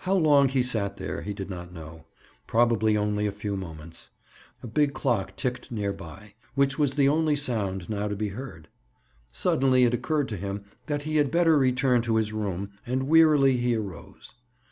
How long he sat there he did not know. Probably only a few moments. A big clock ticked near by, which was the only sound now to be heard. Suddenly it occurred to him that he had better return to his room, and wearily he arose.